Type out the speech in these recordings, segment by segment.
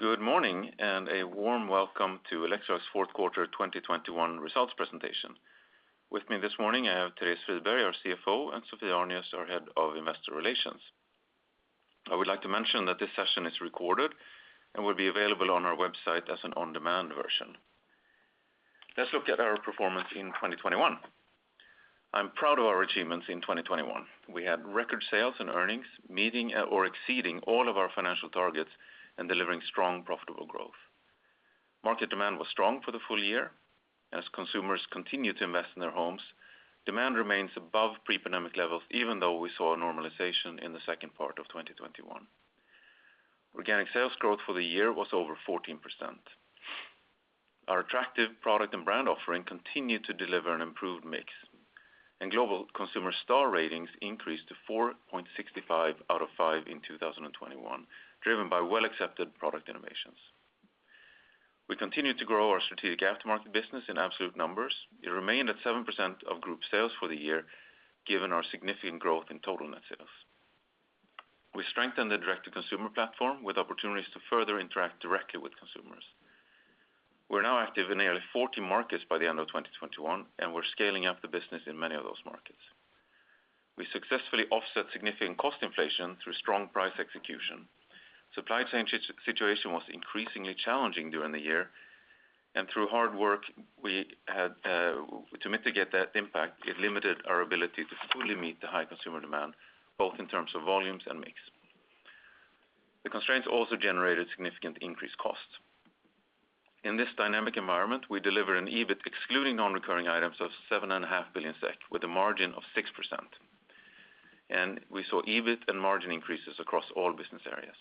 Good morning, and a warm welcome to Electrolux fourth quarter 2021 results presentation. With me this morning, I have Therese Friberg, our CFO, and Sophie Arnius, our head of investor relations. I would like to mention that this session is recorded and will be available on our website as an on-demand version. Let's look at our performance in 2021. I'm proud of our achievements in 2021. We had record sales and earnings, meeting or exceeding all of our financial targets and delivering strong, profitable growth. Market demand was strong for the full year. As consumers continue to invest in their homes, demand remains above pre-pandemic levels, even though we saw a normalization in the second part of 2021. Organic sales growth for the year was over 14%. Our attractive product and brand offering continued to deliver an improved mix, and global consumer star ratings increased to 4.65 out of 5 in 2021, driven by well-accepted product innovations. We continued to grow our strategic aftermarket business in absolute numbers. It remained at 7% of group sales for the year, given our significant growth in total net sales. We strengthened the direct-to-consumer platform with opportunities to further interact directly with consumers. We're now active in nearly 40 markets by the end of 2021, and we're scaling up the business in many of those markets. We successfully offset significant cost inflation through strong price execution. Supply chain situation was increasingly challenging during the year, and through hard work, we had to mitigate that impact. It limited our ability to fully meet the high consumer demand, both in terms of volumes and mix. The constraints also generated significantly increased costs. In this dynamic environment, we deliver an EBIT excluding non-recurring items of 7 and a half billion SEK, with a margin of 6%. We saw EBIT and margin increases across all business areas.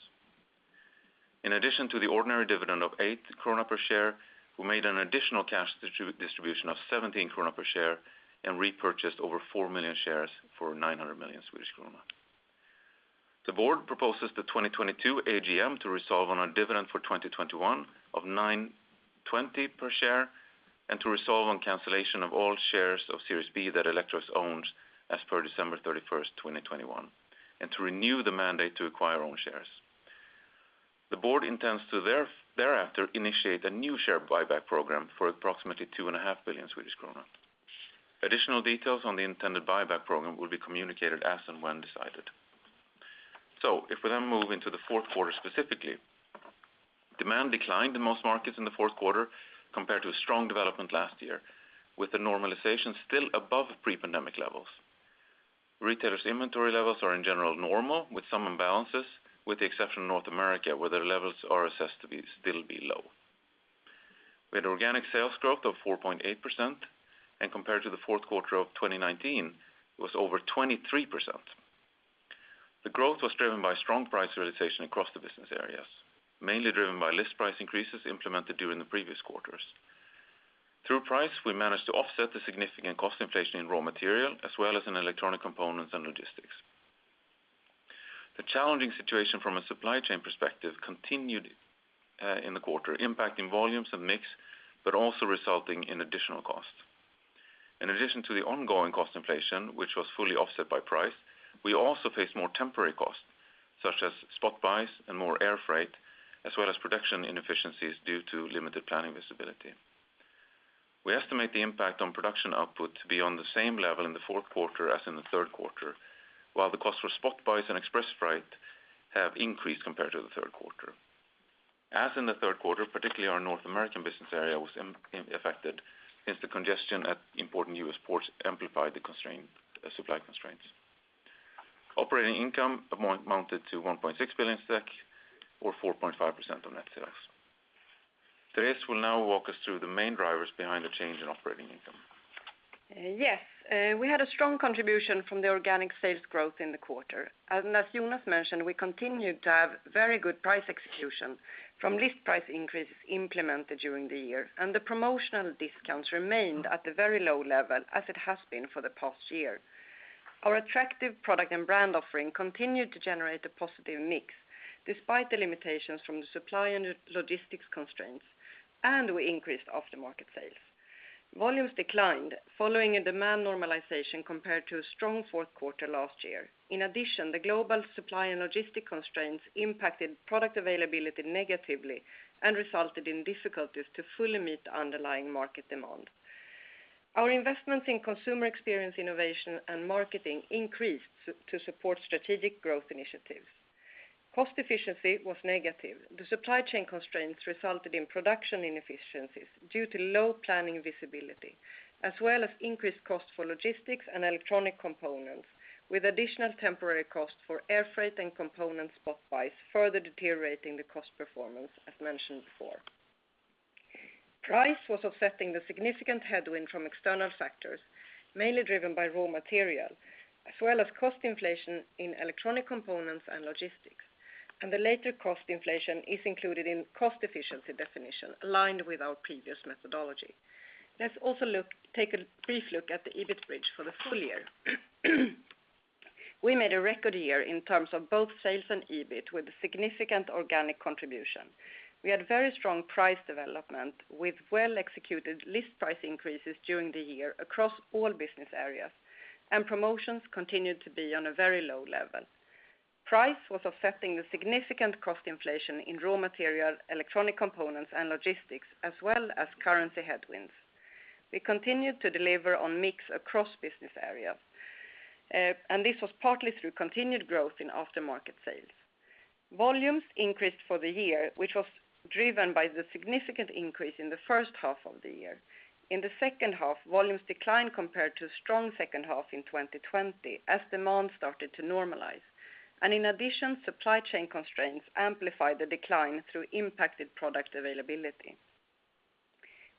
In addition to the ordinary dividend of 8 krona per share, we made an additional cash distribution of 17 krona per share and repurchased over 4 million shares for 900 million Swedish krona. The Board proposes the 2022 AGM to resolve on our dividend for 2021 of 9.20 per share and to resolve on cancellation of all shares of Series B that Electrolux owns as per December 31, 2021, and to renew the mandate to acquire own shares. The Board intends to thereafter initiate a new share buyback program for approximately 2.5 billion Swedish kronor. Additional details on the intended buyback program will be communicated as and when decided. If we then move into the fourth quarter, specifically, demand declined in most markets in the fourth quarter compared to a strong development last year, with the normalization still above pre-pandemic levels. Retailers inventory levels are in general normal, with some imbalances, with the exception of North America, where their levels are assessed to be still low. We had organic sales growth of 4.8%, and compared to the fourth quarter of 2019, was over 23%. The growth was driven by strong price realization across the business areas, mainly driven by list price increases implemented during the previous quarters. Through price, we managed to offset the significant cost inflation in raw material, as well as in electronic components and logistics. The challenging situation from a supply chain perspective continued in the quarter, impacting volumes and mix, but also resulting in additional costs. In addition to the ongoing cost inflation, which was fully offset by price, we also faced more temporary costs, such as spot buys and more air freight, as well as production inefficiencies due to limited planning visibility. We estimate the impact on production output to be on the same level in the fourth quarter as in the third quarter, while the cost for spot buys and express freight have increased compared to the third quarter. As in the third quarter, particularly our North American business area was affected, since the congestion at important U.S. ports amplified the constraint, supply constraints. Operating income amounted to 1.6 billion SEK, or 4.5% of net sales. Therese will now walk us through the main drivers behind the change in operating income. Yes. We had a strong contribution from the organic sales growth in the quarter. As Jonas mentioned, we continued to have very good price execution from list price increases implemented during the year, and the promotional discounts remained at the very low level as it has been for the past year. Our attractive product and brand offering continued to generate a positive mix, despite the limitations from the supply and logistics constraints, and we increased after-market sales. Volumes declined following a demand normalization compared to a strong fourth quarter last year. In addition, the global supply and logistics constraints impacted product availability negatively and resulted in difficulties to fully meet underlying market demand. Our investments in consumer experience, innovation, and marketing increased to support strategic growth initiatives. Cost efficiency was negative. The supply chain constraints resulted in production inefficiencies due to low planning visibility, as well as increased cost for logistics and electronic components, with additional temporary costs for air freight and component spot buys further deteriorating the cost performance, as mentioned before. Price was offsetting the significant headwind from external factors, mainly driven by raw material, as well as cost inflation in electronic components and logistics. The later cost inflation is included in cost efficiency definition, aligned with our previous methodology. Let's take a brief look at the EBIT bridge for the full year. We made a record year in terms of both sales and EBIT, with a significant organic contribution. We had very strong price development with well-executed list price increases during the year across all business areas, and promotions continued to be on a very low level. Pricing was offsetting the significant cost inflation in raw material, electronic components, and logistics, as well as currency headwinds. We continued to deliver on mix across business areas, and this was partly through continued growth in aftermarket sales. Volumes increased for the year, which was driven by the significant increase in the first half of the year. In the second half, volumes declined compared to strong second half in 2020 as demand started to normalize. In addition, supply chain constraints amplified the decline through impacted product availability.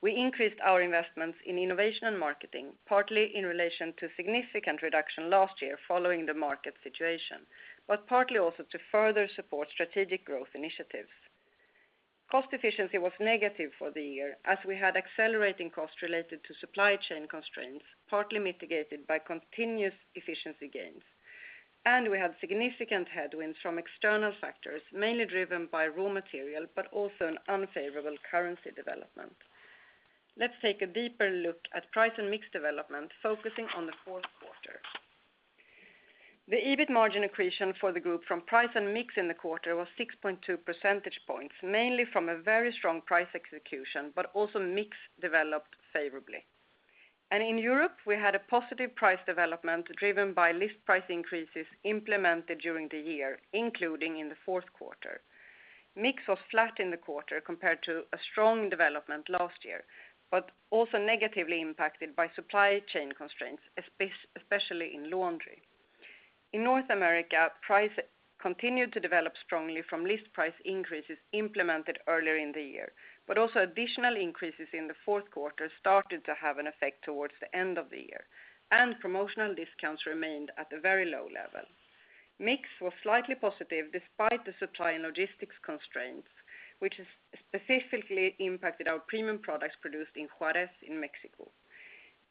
We increased our investments in innovation and marketing, partly in relation to significant reduction last year following the market situation, but partly also to further support strategic growth initiatives. Cost efficiency was negative for the year as we had accelerating costs related to supply chain constraints, partly mitigated by continuous efficiency gains. We had significant headwinds from external factors, mainly driven by raw material, but also an unfavorable currency development. Let's take a deeper look at price and mix development, focusing on the fourth quarter. The EBIT margin accretion for the group from price and mix in the quarter was 6.2 percentage points, mainly from a very strong price execution, but also mix developed favorably. In Europe, we had a positive price development driven by list price increases implemented during the year, including in the fourth quarter. Mix was flat in the quarter compared to a strong development last year, but also negatively impacted by supply chain constraints, especially in Laundry. In North America, price continued to develop strongly from list price increases implemented earlier in the year, but also additional increases in the fourth quarter started to have an effect towards the end of the year, and promotional discounts remained at a very low level. Mix was slightly positive despite the supply and logistics constraints, which has specifically impacted our premium products produced in Juárez in Mexico.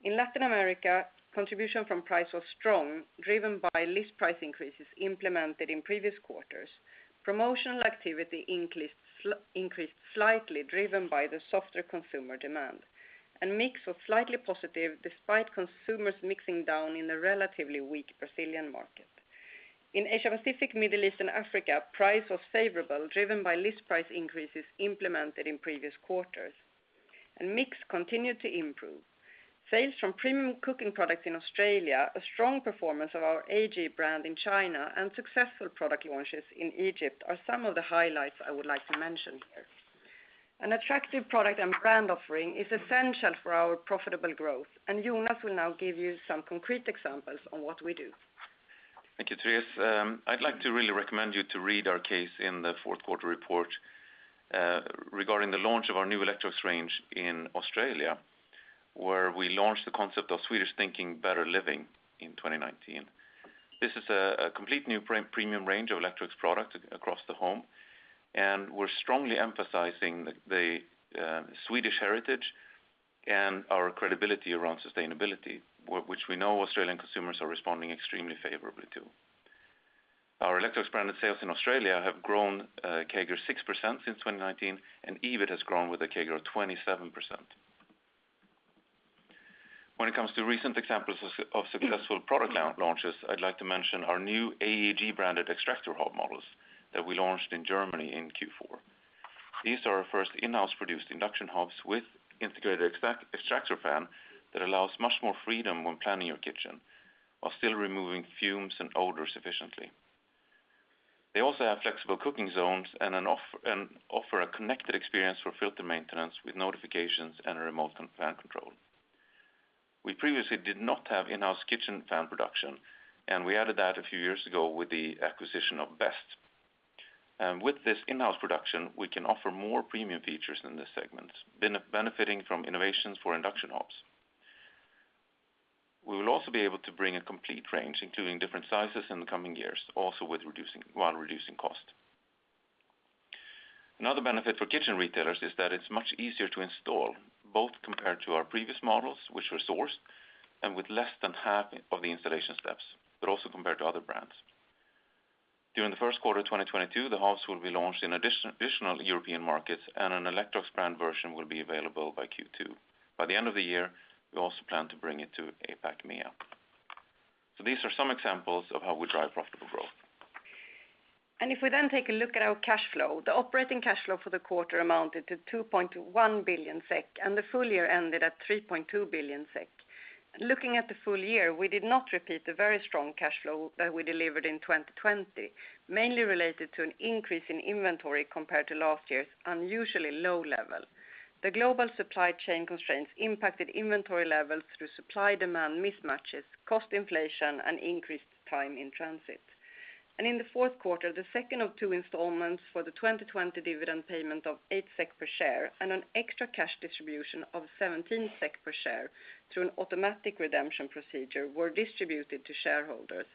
In Latin America, contribution from price was strong, driven by list price increases implemented in previous quarters. Promotional activity increased slightly, driven by the softer consumer demand. Mix was slightly positive despite consumers mixing down in a relatively weak Brazilian market. In Asia Pacific, Middle East and Africa, price was favorable, driven by list price increases implemented in previous quarters, and mix continued to improve. Sales from premium cooking products in Australia, a strong performance of our AEG brand in China, and successful product launches in Egypt are some of the highlights I would like to mention here. An attractive product and brand offering is essential for our profitable growth, and Jonas will now give you some concrete examples on what we do. Thank you, Therese. I'd like to really recommend you to read our case in the fourth quarter report regarding the launch of our new Electrolux range in Australia, where we launched the concept of Swedish thinking, Better living in 2019. This is a complete new premium range of Electrolux products across the home, and we're strongly emphasizing the Swedish heritage and our credibility around sustainability, which we know Australian consumers are responding extremely favorably to. Our Electrolux branded sales in Australia have grown CAGR 6% since 2019, and EBIT has grown with a CAGR of 27%. When it comes to recent examples of successful product launches, I'd like to mention our new AEG branded extractor hob models that we launched in Germany in Q4. These are our first in-house produced induction hobs with integrated extra-extractor fan that allows much more freedom when planning your kitchen while still removing fumes and odors efficiently. They also have flexible cooking zones and offer a connected experience for filter maintenance with notifications and remote and fan control. We previously did not have in-house kitchen fan production, and we added that a few years ago with the acquisition of Best. With this in-house production, we can offer more premium features in this segment, benefiting from innovations for induction hobs. We will also be able to bring a complete range, including different sizes in the coming years, while reducing cost. Another benefit for kitchen retailers is that it's much easier to install, both compared to our previous models, which were sourced, and with less than half of the installation steps, but also compared to other brands. During the first quarter of 2022, the hobs will be launched in additional European markets, and an Electrolux brand version will be available by Q2. By the end of the year, we also plan to bring it to APAC-MEA. These are some examples of how we drive profitable growth. If we then take a look at our cash flow, the operating cash flow for the quarter amounted to 2.1 billion SEK, and the full year ended at 3.2 billion SEK. Looking at the full year, we did not repeat the very strong cash flow that we delivered in 2020, mainly related to an increase in inventory compared to last year's unusually low level. The global supply chain constraints impacted inventory levels through supply-demand mismatches, cost inflation, and increased time in transit. In the fourth quarter, the second of two installments for the 2020 dividend payment of 8 SEK per share and an extra cash distribution of 17 SEK per share through an automatic redemption procedure were distributed to shareholders,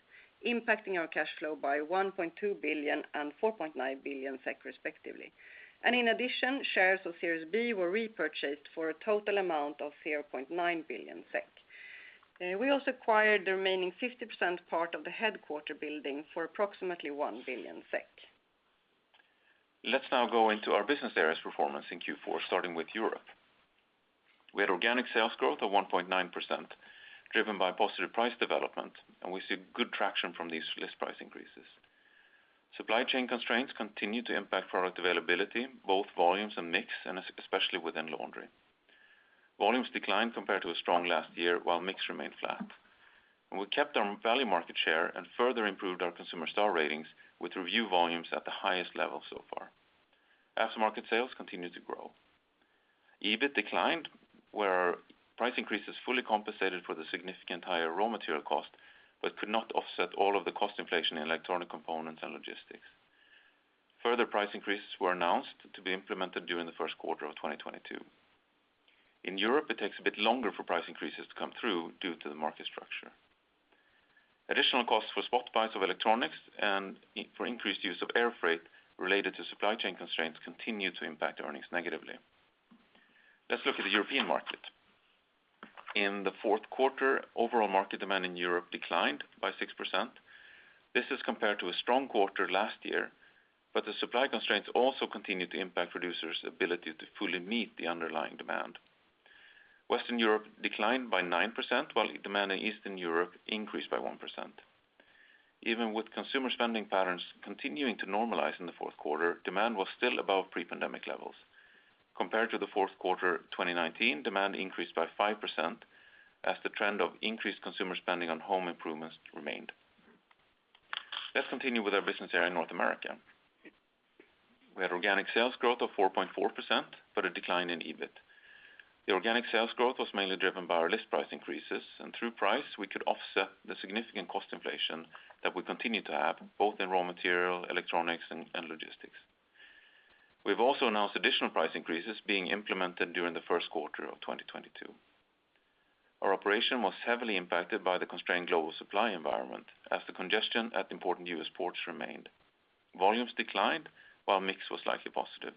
impacting our cash flow by 1.2 billion and 4.9 billion SEK respectively. In addition, shares of Series B were repurchased for a total amount of 0.9 billion SEK. We also acquired the remaining 50% part of the headquarters building for approximately 1 billion SEK. Let's now go into our business areas performance in Q4, starting with Europe. We had organic sales growth of 1.9%, driven by positive price development, and we see good traction from these list price increases. Supply chain constraints continue to impact product availability, both volumes and mix, and especially within Laundry. Volumes declined compared to a strong last year, while mix remained flat. We kept our value market share and further improved our consumer star ratings with review volumes at the highest level so far. Aftermarket sales continued to grow. EBIT declined, where price increases fully compensated for the significantly higher raw material cost, but could not offset all of the cost inflation in electronic components and logistics. Further price increases were announced to be implemented during the first quarter of 2022. In Europe, it takes a bit longer for price increases to come through due to the market structure. Additional costs for spot buys of electronics and for increased use of air freight related to supply chain constraints continue to impact earnings negatively. Let's look at the European market. In the fourth quarter, overall market demand in Europe declined by 6%. This is compared to a strong quarter last year, but the supply constraints also continued to impact producers' ability to fully meet the underlying demand. Western Europe declined by 9%, while demand in Eastern Europe increased by 1%. Even with consumer spending patterns continuing to normalize in the fourth quarter, demand was still above pre-pandemic levels. Compared to the fourth quarter 2019, demand increased by 5% as the trend of increased consumer spending on home improvements remained. Let's continue with our business area in North America. We had organic sales growth of 4.4%, but a decline in EBIT. The organic sales growth was mainly driven by our list price increases, and through price, we could offset the significant cost inflation that we continue to have, both in raw material, electronics, and logistics. We've also announced additional price increases being implemented during the first quarter of 2022. Our operation was heavily impacted by the constrained global supply environment as the congestion at important U.S. ports remained. Volumes declined while mix was likely positive.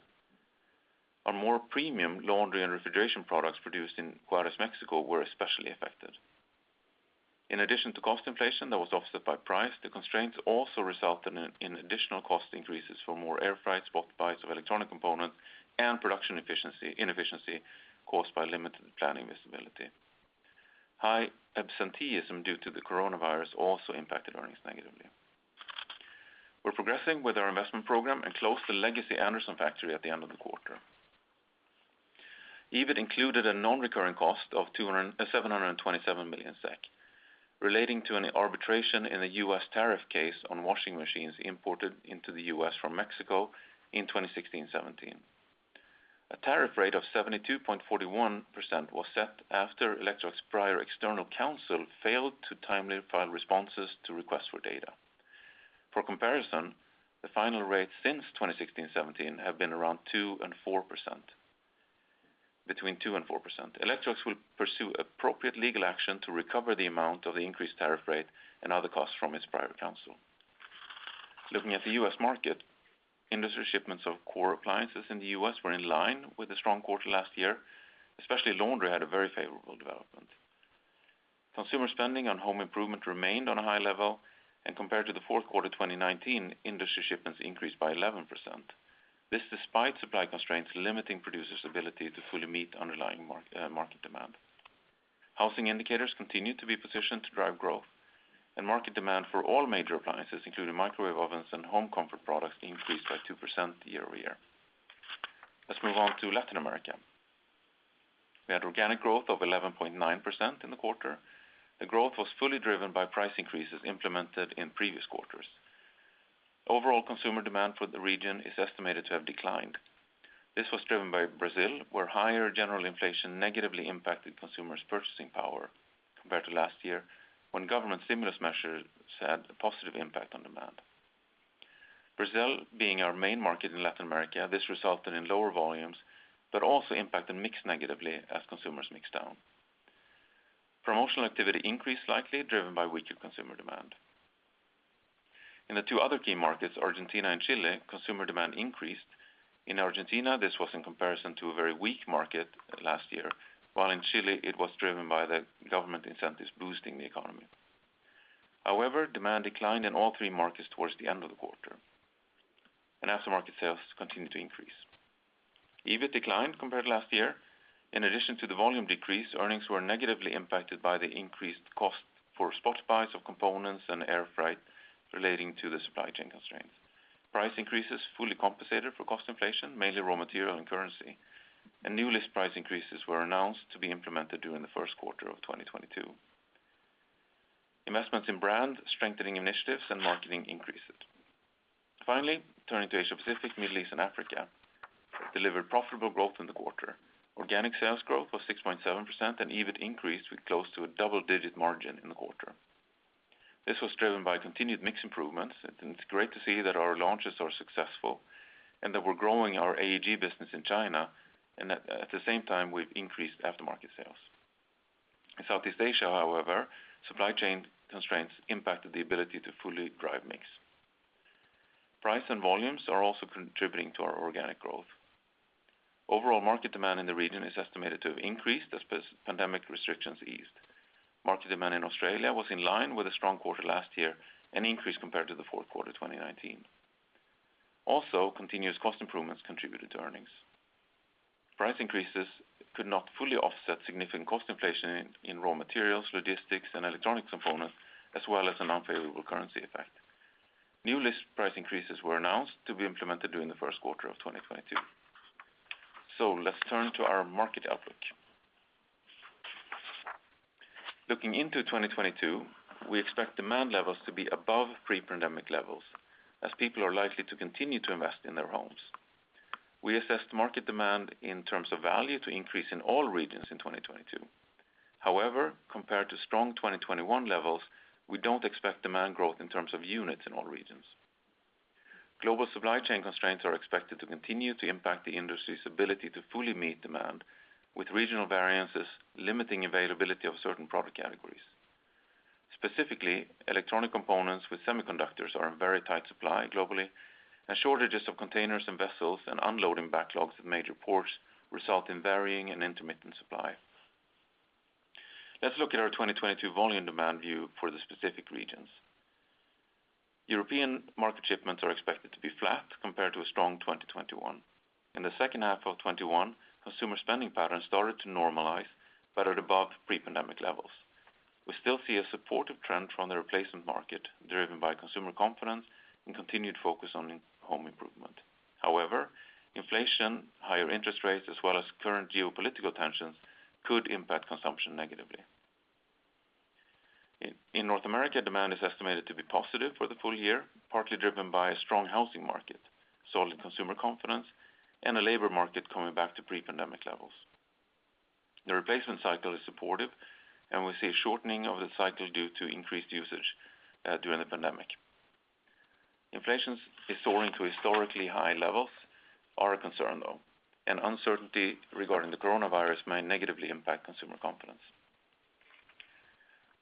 Our more premium Laundry and Refrigeration products produced in Juárez, Mexico, were especially affected. In addition to cost inflation that was offset by price, the constraints also resulted in additional cost increases for more air freight, spot buys of electronic components, and production inefficiency caused by limited planning visibility. High absenteeism due to the coronavirus also impacted earnings negatively. We're progressing with our investment program and closed the legacy Anderson factory at the end of the quarter. EBIT included a non-recurring cost of 727 million SEK relating to an arbitration in a U.S. tariff case on washing machines imported into the U.S. from Mexico in 2016-17. A tariff rate of 72.41% was set after Electrolux prior external counsel failed to timely file responses to requests for data. For comparison, the final rate since 2016-17 have been around 2%-4%, between 2% and 4%. Electrolux will pursue appropriate legal action to recover the amount of the increased tariff rate and other costs from its private counsel. Looking at the U.S. market, industry shipments of core appliances in the U.S. were in line with a strong quarter last year, especially Laundry had a very favorable development. Consumer spending on home improvement remained on a high level, and compared to the fourth quarter 2019, industry shipments increased by 11%. This despite supply constraints limiting producer's ability to fully meet underlying market demand. Housing indicators continued to be positioned to drive growth, and market demand for all major appliances, including microwave ovens and home comfort products, increased by 2% year-over-year. Let's move on to Latin America. We had organic growth of 11.9% in the quarter. The growth was fully driven by price increases implemented in previous quarters. Overall consumer demand for the region is estimated to have declined. This was driven by Brazil, where higher general inflation negatively impacted consumers' purchasing power compared to last year, when government stimulus measures had a positive impact on demand. Brazil being our main market in Latin America, this resulted in lower volumes, but also impacted mix negatively as consumers mixed down. Promotional activity increased, likely driven by weaker consumer demand. In the two other key markets, Argentina and Chile, consumer demand increased. In Argentina, this was in comparison to a very weak market last year, while in Chile, it was driven by the government incentives boosting the economy. However, demand declined in all three markets towards the end of the quarter, and aftermarket sales continued to increase. EBIT declined compared to last year. In addition to the volume decrease, earnings were negatively impacted by the increased cost for spot buys of components and air freight relating to the supply chain constraints. Price increases fully compensated for cost inflation, mainly raw material and currency, and new list price increases were announced to be implemented during the first quarter of 2022. Investments in brand strengthening initiatives and marketing increases. Finally, turning to Asia Pacific, Middle East and Africa, delivered profitable growth in the quarter. Organic sales growth was 6.7% and EBIT increased with close to a double-digit margin in the quarter. This was driven by continued mix improvements. It's great to see that our launches are successful and that we're growing our AEG business in China and at the same time, we've increased aftermarket sales. In Southeast Asia, however, supply chain constraints impacted the ability to fully drive mix. Price and volumes are also contributing to our organic growth. Overall market demand in the region is estimated to have increased as post-pandemic restrictions eased. Market demand in Australia was in line with a strong quarter last year and increased compared to the fourth quarter, 2019. Continuous cost improvements contributed to earnings. Price increases could not fully offset significant cost inflation in raw materials, logistics, and electronic components, as well as an unfavorable currency effect. New list price increases were announced to be implemented during the first quarter of 2022. Let's turn to our market outlook. Looking into 2022, we expect demand levels to be above pre-pandemic levels as people are likely to continue to invest in their homes. We assess market demand in terms of value to increase in all regions in 2022. However, compared to strong 2021 levels, we don't expect demand growth in terms of units in all regions. Global supply chain constraints are expected to continue to impact the industry's ability to fully meet demand, with regional variances limiting availability of certain product categories. Specifically, electronic components with semiconductors are in very tight supply globally, and shortages of containers and vessels and unloading backlogs at major ports result in varying and intermittent supply. Let's look at our 2022 volume demand view for the specific regions. European market shipments are expected to be flat compared to a strong 2021. In the second half of 2021, consumer spending patterns started to normalize, but at above pre-pandemic levels. We still see a supportive trend from the replacement market, driven by consumer confidence and continued focus on in-home improvement. However, inflation, higher interest rates, as well as current geopolitical tensions could impact consumption negatively. In North America, demand is estimated to be positive for the full year, partly driven by a strong housing market, solid consumer confidence, and a labor market coming back to pre-pandemic levels. The replacement cycle is supportive, and we see a shortening of the cycle due to increased usage during the pandemic. Inflation is soaring to historically high levels, are a concern, though, and uncertainty regarding the coronavirus may negatively impact consumer confidence.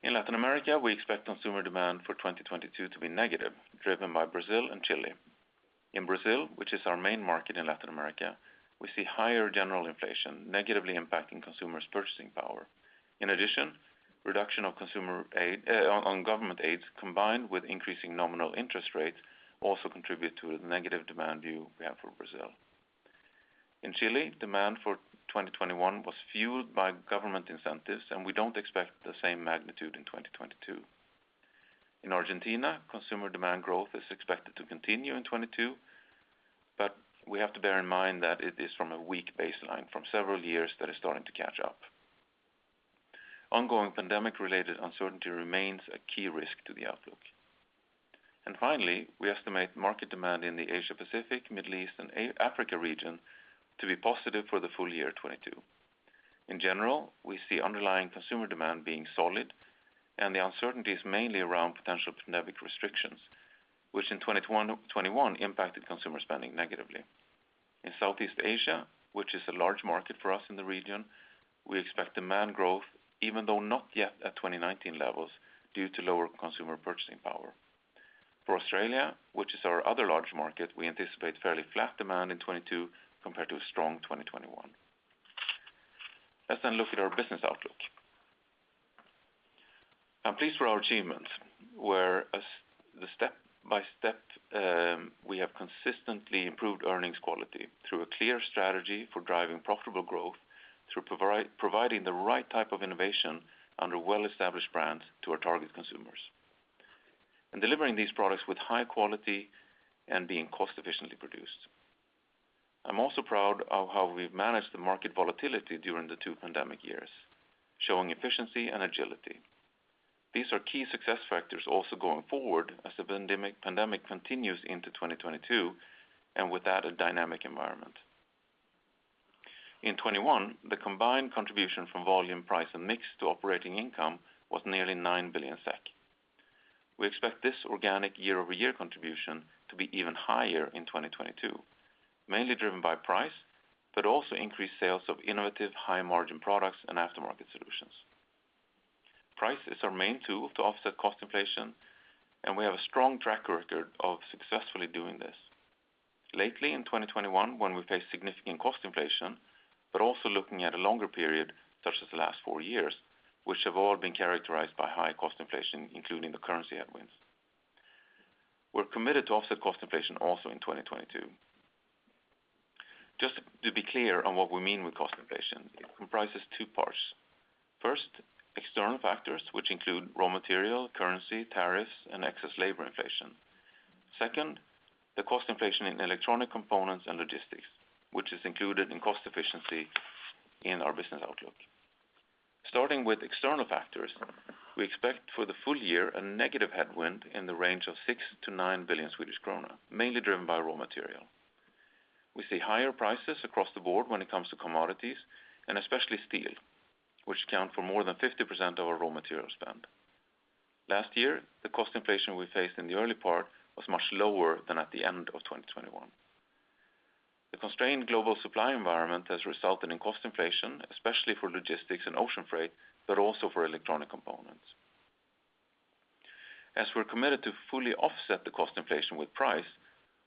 In Latin America, we expect consumer demand for 2022 to be negative, driven by Brazil and Chile. In Brazil, which is our main market in Latin America, we see higher general inflation negatively impacting consumers' purchasing power. In addition, reduction of consumer aid on government aids combined with increasing nominal interest rates also contribute to the negative demand view we have for Brazil. In Chile, demand for 2021 was fueled by government incentives, and we don't expect the same magnitude in 2022. In Argentina, consumer demand growth is expected to continue in 2022, but we have to bear in mind that it is from a weak baseline from several years that is starting to catch up. Ongoing pandemic-related uncertainty remains a key risk to the outlook. Finally, we estimate market demand in the Asia Pacific, Middle East, and Africa region to be positive for the full year 2022. In general, we see underlying consumer demand being solid and the uncertainties mainly around potential pandemic restrictions, which in 2021 impacted consumer spending negatively. In Southeast Asia, which is a large market for us in the region, we expect demand growth even though not yet at 2019 levels due to lower consumer purchasing power. For Australia, which is our other large market, we anticipate fairly flat demand in 2022 compared to a strong 2021. Let's then look at our business outlook. I'm pleased with our achievements, where, step by step, we have consistently improved earnings quality through a clear strategy for driving profitable growth through providing the right type of innovation under well-established brands to our target consumers, and delivering these products with high quality and being cost efficiently produced. I'm also proud of how we've managed the market volatility during the two pandemic years, showing efficiency and agility. These are key success factors also going forward as the pandemic continues into 2022, and with that, a dynamic environment. In 2021, the combined contribution from volume, price, and mix to operating income was nearly 9 billion SEK. We expect this organic year-over-year contribution to be even higher in 2022, mainly driven by price, but also increased sales of innovative high-margin products and aftermarket solutions. Price is our main tool to offset cost inflation, and we have a strong track record of successfully doing this. Lately in 2021, when we faced significant cost inflation, but also looking at a longer period, such as the last four years, which have all been characterized by high cost inflation, including the currency headwinds. We're committed to offset cost inflation also in 2022. Just to be clear on what we mean with cost inflation, it comprises two parts. First, External Factors, which include raw material, currency, tariffs, and excess labor inflation. Second, the cost inflation in electronic components and logistics, which is included in Cost Efficiency in our business outlook. Starting with external factors, we expect for the full year a negative headwind in the range of 6 billion-9 billion Swedish krona, mainly driven by raw material. We see higher prices across the Board when it comes to commodities, and especially steel, which accounts for more than 50% of our raw material spend. Last year, the cost inflation we faced in the early part was much lower than at the end of the year. The constrained global supply environment has resulted in cost inflation, especially for logistics and ocean freight, but also for electronic components. We're committed to fully offset the cost inflation with price,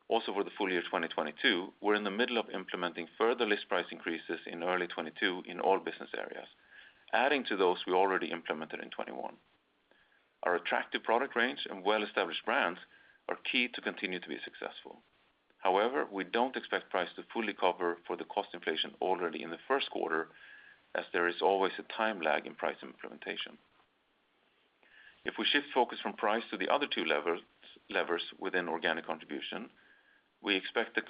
also for the full year 2022. We're in the middle of implementing further list price increases in early 2022 in all business areas, adding to those we already implemented in 2021. Our attractive product range and well-established brands are key to continue to be successful. However, we don't expect price to fully cover for the cost inflation already in the first quarter, as there is always a time lag in price implementation. If we shift focus from price to the other two levels, levers within organic contribution, we expect the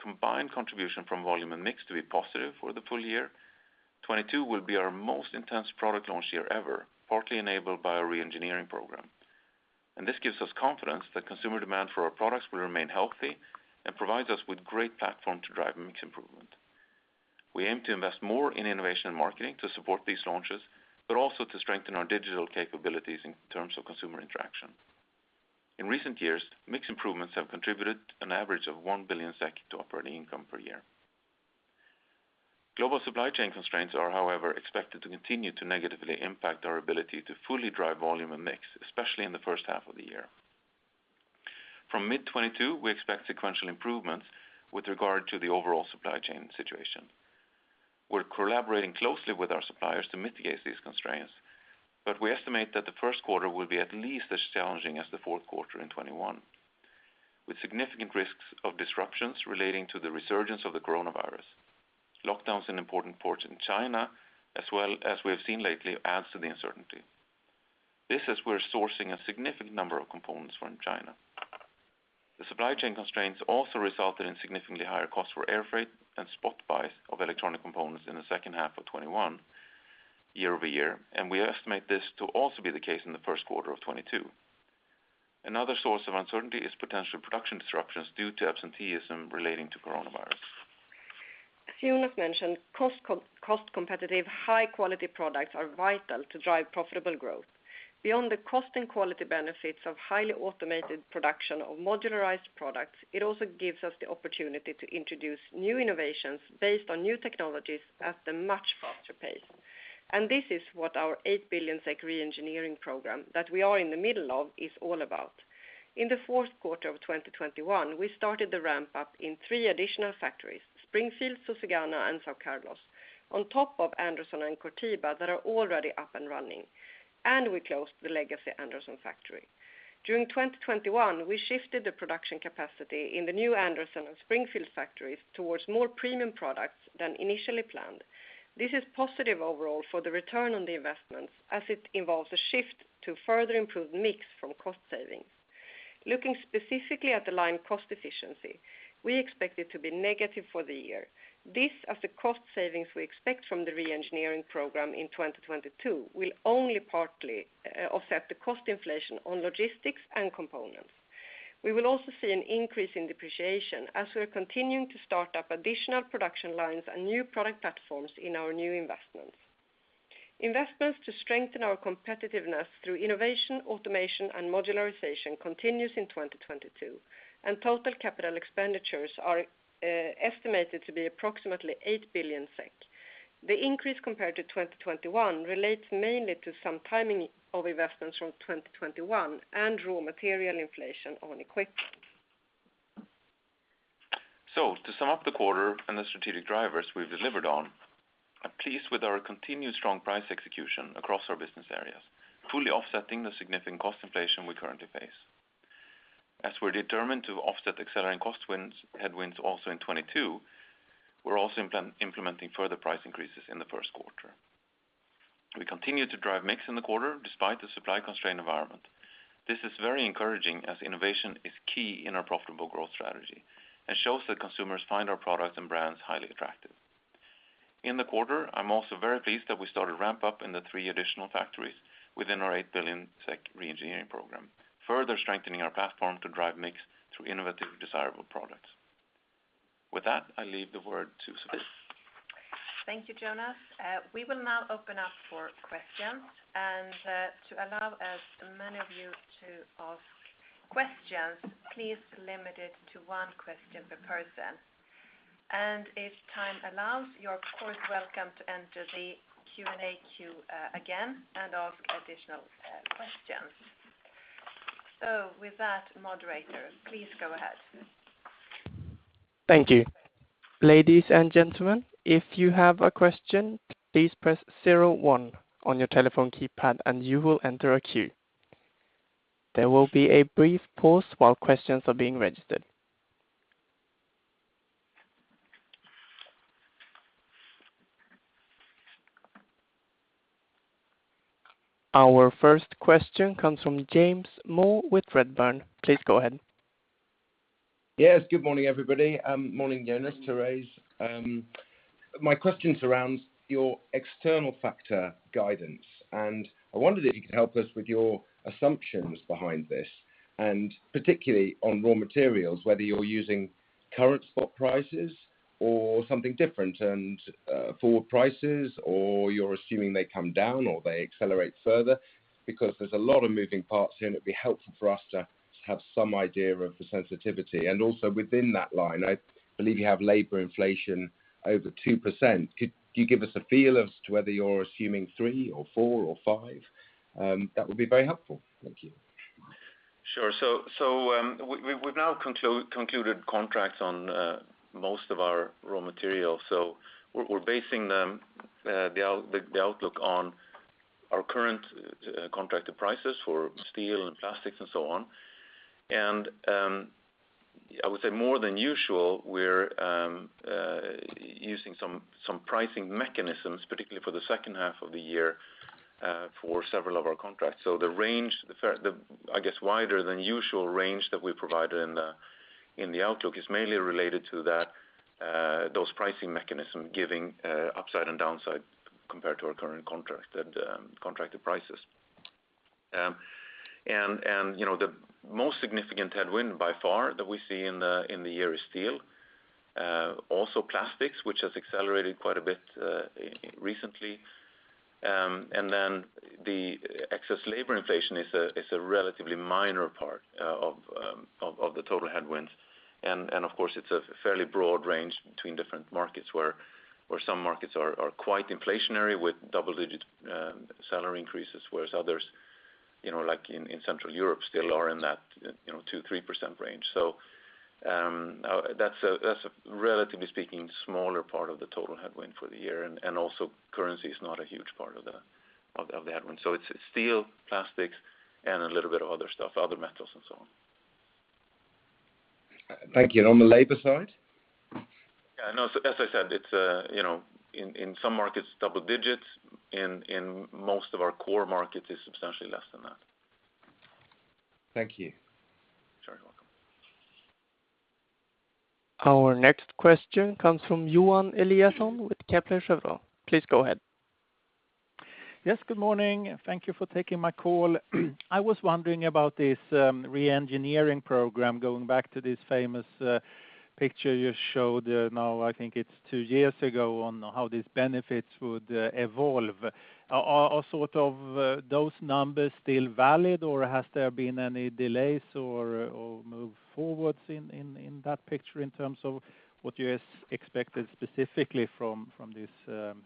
combined contribution from volume and mix to be positive for the full year. 2022 will be our most intense product launch year ever, partly enabled by our re-engineering program. This gives us confidence that consumer demand for our products will remain healthy and provides us with great platform to drive mix improvement. We aim to invest more in innovation and marketing to support these launches, but also to strengthen our digital capabilities in terms of consumer interaction. In recent years, mix improvements have contributed an average of 1 billion SEK to operating income per year. Global supply chain constraints are, however, expected to continue to negatively impact our ability to fully drive volume and mix, especially in the first half of the year. From mid-2022, we expect sequential improvements with regard to the overall supply chain situation. We're collaborating closely with our suppliers to mitigate these constraints, but we estimate that the first quarter will be at least as challenging as the fourth quarter in 2021, with significant risks of disruptions relating to the resurgence of the coronavirus. Lockdowns in important ports in China, as well as we have seen lately, adds to the uncertainty. This, as we're sourcing a significant number of components from China. The supply chain constraints also resulted in significantly higher costs for air freight and spot buys of electronic components in the second half of 2021 year-over-year, and we estimate this to also be the case in the first quarter of 2022. Another source of uncertainty is potential production disruptions due to absenteeism relating to coronavirus. As Jonas mentioned, cost-competitive, high-quality products are vital to drive profitable growth. Beyond the cost and quality benefits of highly automated production of modularized products, it also gives us the opportunity to introduce new innovations based on new technologies at a much faster pace. This is what our 8 billion SEK re-engineering program that we are in the middle of is all about. In the fourth quarter of 2021, we started the ramp up in three additional factories, Springfield, Susegana, and São Carlos, on top of Anderson and Curitiba that are already up and running, and we closed the legacy Anderson factory. During 2021, we shifted the production capacity in the new Anderson and Springfield factories towards more premium products than initially planned. This is positive overall for the return on the investments, as it involves a shift to further improve mix from cost savings. Looking specifically at the line cost efficiency, we expect it to be negative for the year. This, as the cost savings we expect from the re-engineering program in 2022, will only partly offset the cost inflation on logistics and components. We will also see an increase in depreciation as we are continuing to start up additional production lines and new product platforms in our new investments. Investments to strengthen our competitiveness through innovation, automation, and modularization continues in 2022, and total capital expenditures are estimated to be approximately 8 billion SEK. The increase compared to 2021 relates mainly to some timing of investments from 2021 and raw material inflation on equipment. To sum up the quarter and the strategic drivers we've delivered on, I'm pleased with our continued strong price execution across our business areas, fully offsetting the significant cost inflation we currently face. As we're determined to offset accelerating cost headwinds also in 2022, we're also implementing further price increases in the first quarter. We continue to drive mix in the quarter despite the supply constraint environment. This is very encouraging as innovation is key in our profitable growth strategy and shows that consumers find our products and brands highly attractive. In the quarter, I'm also very pleased that we started ramp-up in the three additional factories within our 8 billion SEK re-engineering program, further strengthening our platform to drive mix through innovative, desirable products. With that, I leave the word to Therese. Thank you, Jonas. We will now open up for questions. To allow as many of you to ask questions, please limit it to one question per person. If time allows, you're of course welcome to enter the Q&A queue again and ask additional questions. With that, moderator, please go ahead. Thank you. Ladies and gentlemen, if you have a question, please press zero one on your telephone keypad, and you will enter a queue. There will be a brief pause while questions are being registered. Our first question comes from James Moore with Redburn. Please go ahead. Yes. Good morning, everybody. Morning, Jonas, Therese. My question surrounds your external factor guidance, and I wondered if you could help us with your assumptions behind this, and particularly on raw materials, whether you're using current spot prices or something different, and forward prices, or you're assuming they come down or they accelerate further? Because there's a lot of moving parts here, and it'd be helpful for us to have some idea of the sensitivity. Also within that line, I believe you have labor inflation over 2%. Could you give us a feel as to whether you're assuming 3 or 4 or 5? That would be very helpful. Thank you. Sure. We've now concluded contracts on most of our raw materials. We're basing the outlook on our current contracted prices for steel and plastics and so on. I would say more than usual, we're using some pricing mechanisms, particularly for the second half of the year, for several of our contracts. The wider than usual range that we provided in the outlook is mainly related to that, those pricing mechanisms giving upside and downside compared to our current contracted prices. You know, the most significant headwind by far that we see in the year is steel. Also plastics, which has accelerated quite a bit recently. Then the excess labor inflation is a relatively minor part of the total headwinds. Of course, it's a fairly broad range between different markets where some markets are quite inflationary with double-digit salary increases, whereas others, you know, like in Central Europe still are in that 2% to 3% range. That's, relatively speaking, a smaller part of the total headwind for the year. Also currency is not a huge part of the headwind. It's steel, plastics, and a little bit of other stuff, other metals and so on. Thank you. On the labor side? Yeah, no, as I said, it's, you know, in some markets double digits, in most of our core markets it's substantially less than that. Thank you. You're very welcome. Our next question comes from Johan Eliason with Kepler Cheuvreux. Please go ahead. Yes, good morning, and thank you for taking my call. I was wondering about this re-engineering program going back to this famous picture you showed now I think it's two years ago on how these benefits would evolve. Are sort of those numbers still valid, or has there been any delays or move forwards in that picture in terms of what you guys expected specifically from this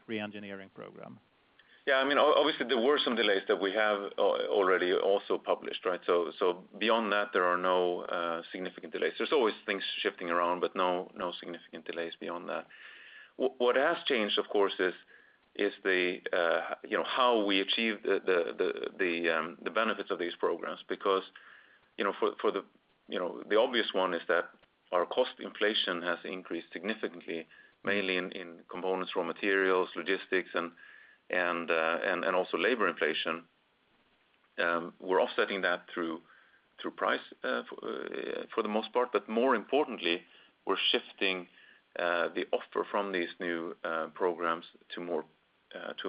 re-engineering program? Yeah. I mean, obviously there were some delays that we have already also published, right? Beyond that, there are no significant delays. There's always things shifting around, but no significant delays beyond that. What has changed, of course, is you know how we achieve the benefits of these programs. Because you know the obvious one is that our cost inflation has increased significantly, mainly in components, raw materials, logistics, and also labor inflation. We're offsetting that through price for the most part, but more importantly, we're shifting the offer from these new programs to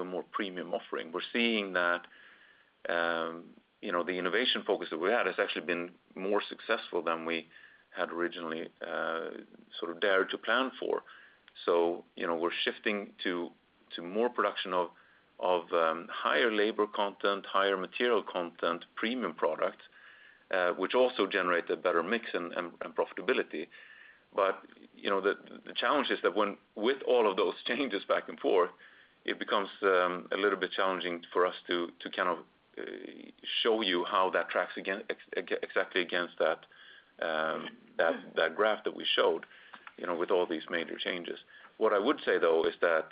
a more premium offering. We're seeing that, you know, the innovation focus that we had has actually been more successful than we had originally, sort of dared to plan for. You know, we're shifting to more production of higher labor content, higher material content premium products, which also generate a better mix and profitability. You know, the challenge is that when with all of those changes back and forth, it becomes a little bit challenging for us to kind of show you how that tracks again, exactly against that graph that we showed, you know, with all these major changes. What I would say though is that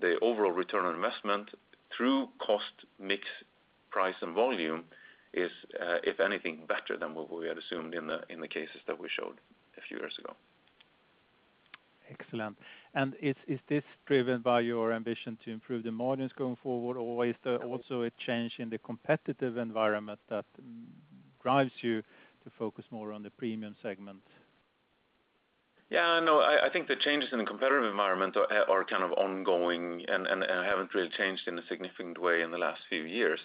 the overall Return on Investment through cost, mix, price, and volume is, if anything, better than what we had assumed in the cases that we showed a few years ago. Excellent. Is this driven by your ambition to improve the margins going forward? Or is there also a change in the competitive environment that drives you to focus more on the premium segment? Yeah, no, I think the changes in the competitive environment are kind of ongoing and haven't really changed in a significant way in the last few years.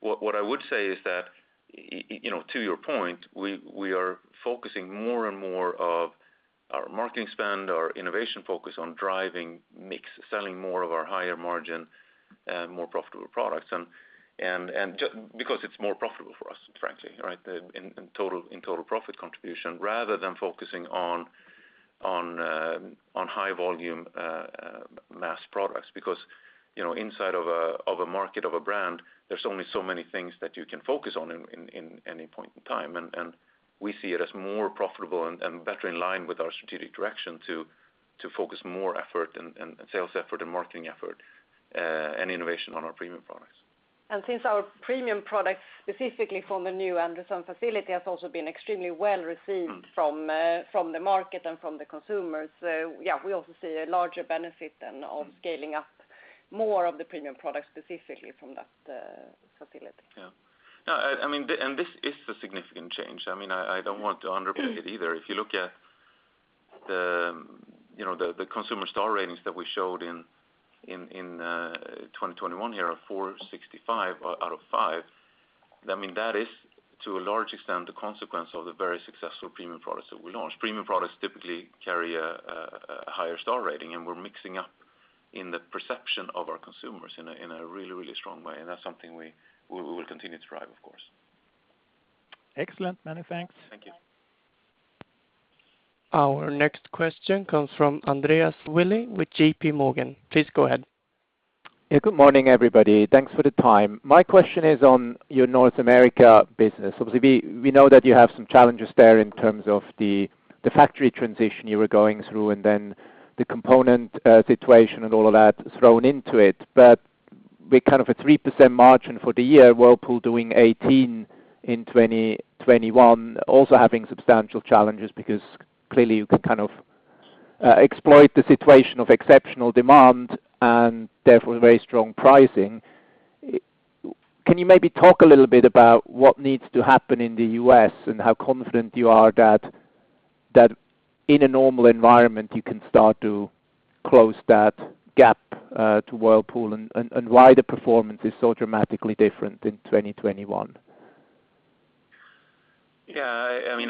What I would say is that, you know, to your point, we are focusing more and more of our marketing spend, our innovation focus on driving mix, selling more of our higher margin, more profitable products. Just because it's more profitable for us, frankly, right? In total profit contribution, rather than focusing on high volume, mass products. Because, you know, inside of a market, of a brand, there's only so many things that you can focus on in any point in time. We see it as more profitable and better in line with our strategic direction to focus more effort and sales effort and marketing effort, and innovation on our premium products. Since our premium products, specifically from the new Anderson facility, has also been extremely well received from the market and from the consumers, yeah, we also see a larger benefit than on scaling up more of the premium products specifically from that facility. Yeah. No, I mean, this is a significant change. I mean, I don't want to underplay it either. If you look at you know, the consumer star ratings that we showed in 2021 here of 4.65 out of five, I mean, that is to a large extent the consequence of the very successful premium products that we launched. Premium products typically carry a higher star rating, and we're mixing up in the perception of our consumers in a really strong way, and that's something we will continue to drive, of course. Excellent. Many thanks. Thank you. Our next question comes from Andreas Willi with JPMorgan. Please go ahead. Yeah, good morning, everybody. Thanks for the time. My question is on your North America business. Obviously, we know that you have some challenges there in terms of the factory transition you were going through and then the component situation and all of that thrown into it. We're kind of at 3% margin for the year, Whirlpool doing 18% in 2021, also having substantial challenges because clearly you could kind of exploit the situation of exceptional demand and therefore very strong pricing. Can you maybe talk a little bit about what needs to happen in the U.S. and how confident you are that in a normal environment, you can start to close that gap to Whirlpool and why the performance is so dramatically different in 2021? I mean,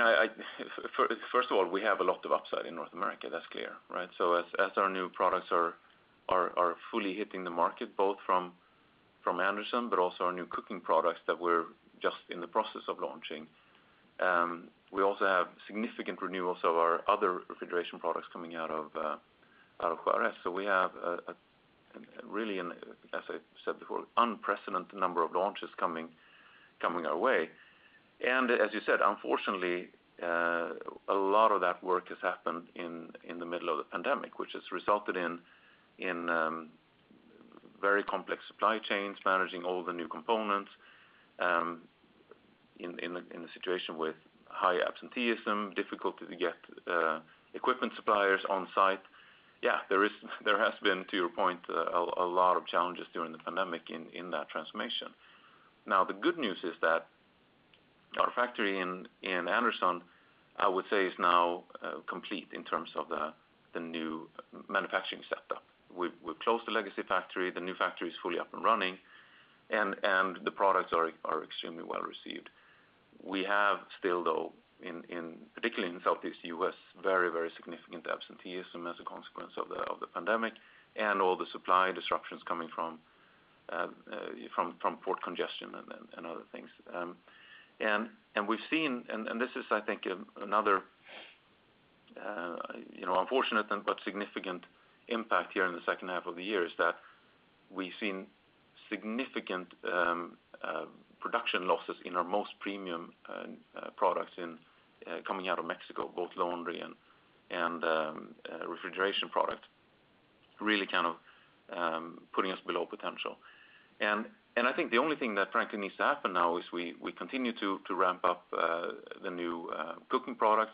first of all, we have a lot of upside in North America. That's clear, right? As our new products are fully hitting the market, both from Anderson, but also our new cooking products that we're just in the process of launching, we also have significant renewals of our other Refrigeration products coming out of Juárez. We have really, as I said before, unprecedented number of launches coming our way. As you said, unfortunately, a lot of that work has happened in the middle of the pandemic, which has resulted in very complex supply chains, managing all the new components, in a situation with high absenteeism, difficulty to get equipment suppliers on site. There has been, to your point, a lot of challenges during the pandemic in that transformation. Now, the good news is that our factory in Anderson, I would say, is now complete in terms of the new manufacturing setup. We closed the legacy factory, the new factory is fully up and running, and the products are extremely well received. We have still, though, particularly in Southeast U.S., very significant absenteeism as a consequence of the pandemic and all the supply disruptions coming from port congestion and other things. This is, I think, another, you know, unfortunate but significant impact here in the second half of the year, is that we've seen significant production losses in our most premium products in coming out of Mexico, both Laundry and Refrigeration product, really kind of putting us below potential. I think the only thing that frankly needs to happen now is we continue to ramp up the new cooking products,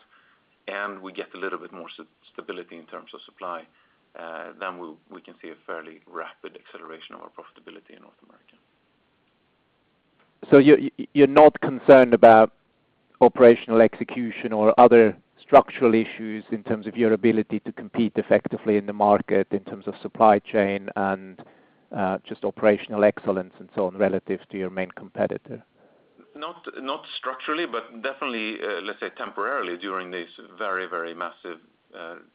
and we get a little bit more stability in terms of supply, then we can see a fairly rapid acceleration of our profitability in North America. You're not concerned about operational execution or other structural issues in terms of your ability to compete effectively in the market in terms of supply chain and just operational excellence and so on relative to your main competitor? Not structurally, but definitely, let's say temporarily during this very, very massive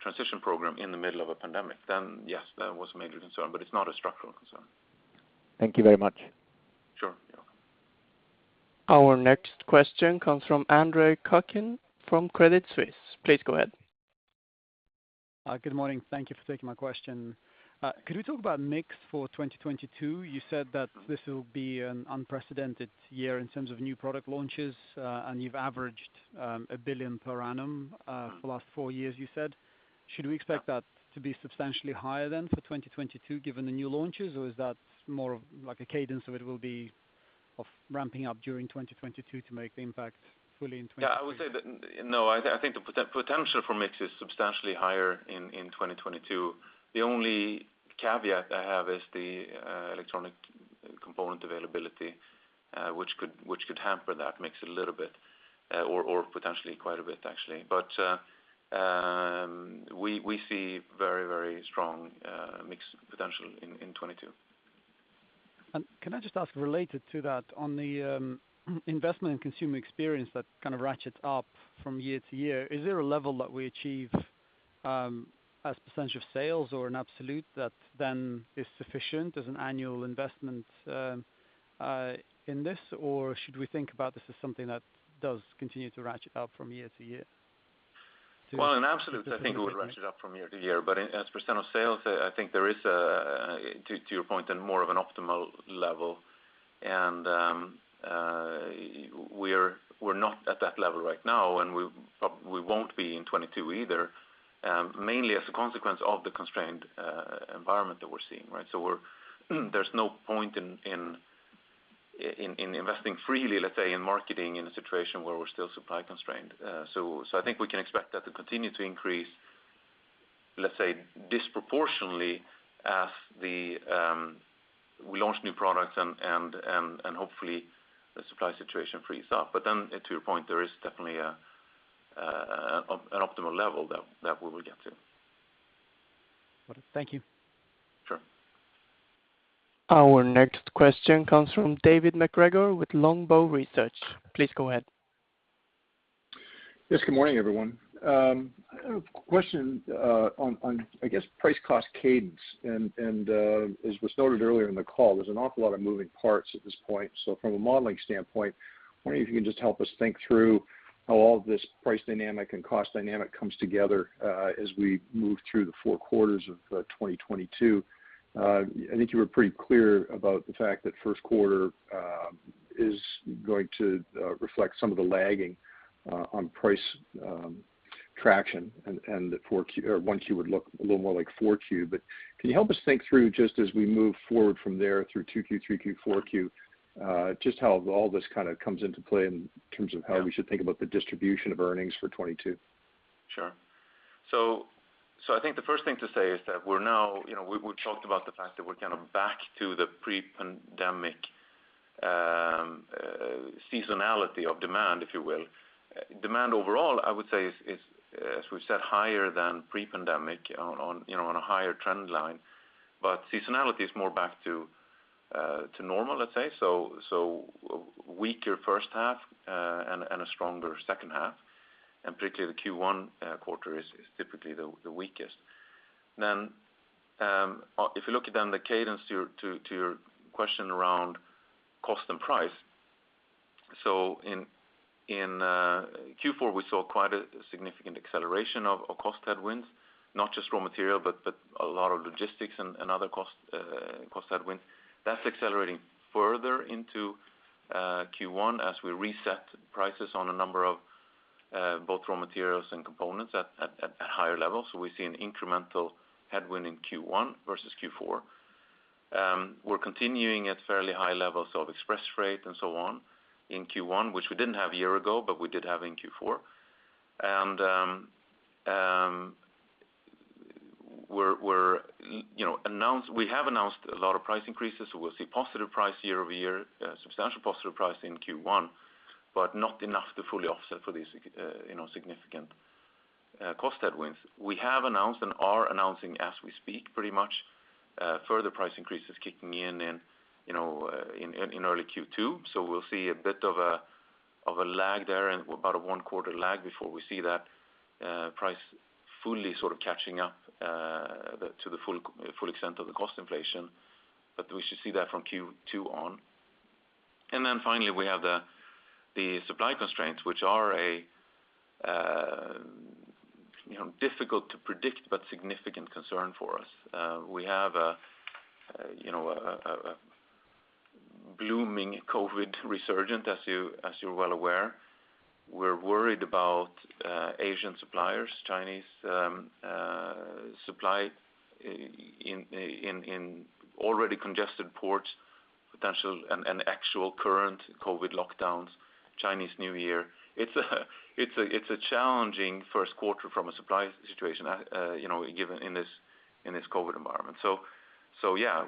transition program in the middle of a pandemic, then, yes, there was a major concern, but it's not a structural concern. Thank you very much. Sure. You're welcome. Our next question comes from Andre Kukhnin from Credit Suisse. Please go ahead. Good morning. Thank you for taking my question. Could we talk about mix for 2022? You said that this will be an unprecedented year in terms of new product launches, and you've averaged 1 billion per annum for the last four years, you said. Should we expect that to be substantially higher than for 2022, given the new launches, or is that more of like a cadence of it will be of ramping up during 2022 to make the impact fully in twenty- Yeah, I would say that no, I think the potential for mix is substantially higher in 2022. The only caveat I have is the electronic component availability, which could hamper that mix a little bit, or potentially quite a bit, actually. We see very strong mix potential in 2022. Can I just ask, related to that, on the investment and consumer experience that kind of ratchets up from year to year, is there a level that we achieve, as a percentage of sales or an absolute that then is sufficient as an annual investment, in this? Or should we think about this as something that does continue to ratchet up from year to year? Well, in absolute, I think it will ratchet up from year to year. As percentage of sales, I think there is, to your point, then more of an optimal level. We're not at that level right now, and we won't be in 2022 either, mainly as a consequence of the constrained environment that we're seeing, right? There's no point in investing freely, let's say, in marketing in a situation where we're still supply constrained. I think we can expect that to continue to increase, let's say, disproportionately as we launch new products and hopefully the supply situation frees up. Then to your point, there is definitely an optimal level that we will get to. Thank you. Sure. Our next question comes from David MacGregor with Longbow Research. Please go ahead. Yes. Good morning, everyone. I have a question on I guess price-cost cadence. As was noted earlier in the call, there's an awful lot of moving parts at this point. From a modeling standpoint, wondering if you can just help us think through how all of this price dynamic and cost dynamic comes together as we move through the four quarters of 2022. I think you were pretty clear about the fact that first quarter is going to reflect some of the lagging on price traction and that Q1 would look a little more like Q4. Can you help us think through just as we move forward from there through 2Q, 3Q, 4Q, just how all this kind of comes into play in terms of how we should think about the distribution of earnings for 2022? Sure. I think the first thing to say is that we're now, you know, we've talked about the fact that we're kind of back to the pre-pandemic seasonality of demand, if you will. Demand overall, I would say is as we've said, higher than pre-pandemic on you know on a higher trend line. Seasonality is more back to normal, let's say, weaker first half and a stronger second half. Particularly the Q1 quarter is typically the weakest. If you look at the cadence to your question around cost and price, in Q4, we saw quite a significant acceleration of cost headwinds, not just raw material, but a lot of logistics and other cost headwinds. That's accelerating further into Q1 as we reset prices on a number of both raw materials and components at higher levels. We see an incremental headwind in Q1 versus Q4. We're continuing at fairly high levels of express rate and so on in Q1, which we didn't have a year ago, but we did have in Q4. We're, you know, we have announced a lot of price increases, so we'll see positive price year-over-year, substantial positive price in Q1, but not enough to fully offset for these, you know, significant cost headwinds. We have announced and are announcing as we speak pretty much further price increases kicking in, you know, in early Q2. We'll see a bit of a lag there and about a 1-quarter lag before we see that price fully sort of catching up to the full extent of the cost inflation. We should see that from Q2 on. Then finally, we have the supply constraints, which are difficult to predict, but significant concern for us. We have a booming COVID resurgence, as you're well aware. We're worried about Asian suppliers, Chinese supply in already congested ports, potential and actual current COVID lockdowns, Chinese New Year. It's a challenging first quarter from a supply situation, given in this COVID environment. Yeah,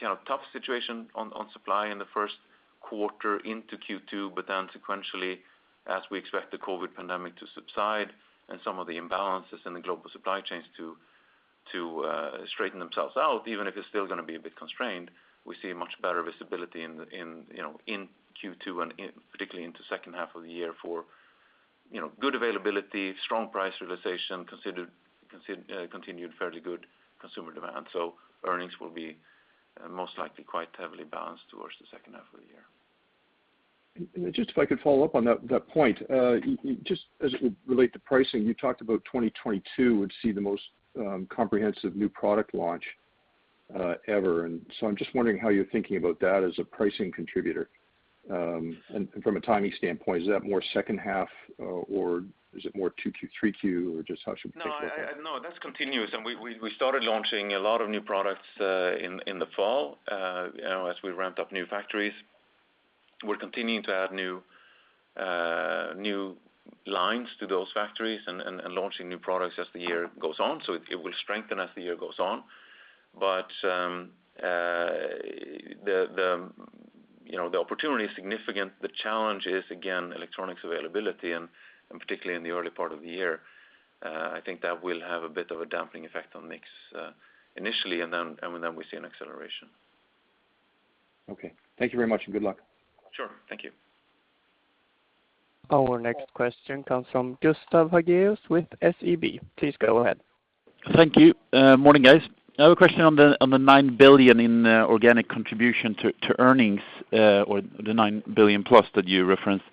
kind of tough situation on supply in the first quarter into Q2, but then sequentially, as we expect the COVID pandemic to subside and some of the imbalances in the global supply chains to straighten themselves out, even if it's still gonna be a bit constrained, we see much better visibility in you know in Q2 and particularly into second half of the year for you know good availability, strong price realization, continued fairly good consumer demand. Earnings will be most likely quite heavily balanced towards the second half of the year. Just if I could follow up on that point, just as it would relate to pricing, you talked about 2022 would see the most comprehensive new product launch ever. I'm just wondering how you're thinking about that as a pricing contributor. From a timing standpoint, is that more second half, or is it more Q2, Q3, or just how should we think about that? No, that's continuous, and we started launching a lot of new products in the fall, you know, as we ramped up new factories. We're continuing to add new lines to those factories and launching new products as the year goes on. It will strengthen as the year goes on. You know, the opportunity is significant. The challenge is, again, electronics availability and particularly in the early part of the year. I think that will have a bit of a damping effect on mix initially, and then we see an acceleration. Okay. Thank you very much, and good luck. Sure. Thank you. Our next question comes from Gustav Hagéus with SEB. Please go ahead. Thank you. Morning, guys. I have a question on the 9 billion in organic contribution to earnings, or the 9 billion plus that you referenced.